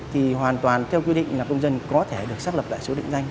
thì hoàn toàn theo quy định là công dân có thể được xác lập lại số định danh